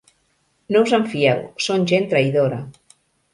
No us en fieu: són gent traïdora.